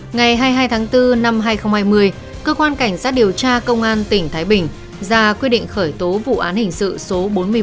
ngày hai mươi hai tháng bốn năm hai nghìn hai mươi cơ quan cảnh sát điều tra công an tỉnh thái bình ra quyết định khởi tố vụ án hình sự số bốn mươi một